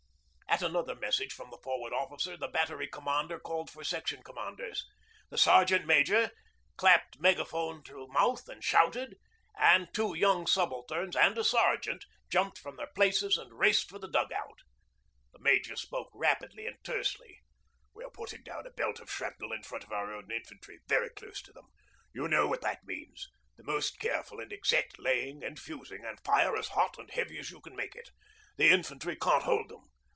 At another message from the Forward Officer the Battery Commander called for Section Commanders. The Sergeant Major clapped megaphone to mouth and shouted, and two young subalterns and a sergeant jumped from their places, and raced for the dug out. The Major spoke rapidly and tersely. 'We are putting down a belt of shrapnel in front of our own infantry very close to them. You know what that means the most careful and exact laying and fusing, and fire as hot and heavy as you can make it. The infantry can't hold 'em.